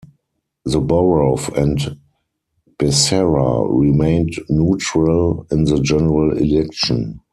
Soboroff and Becerra remained neutral in the general election.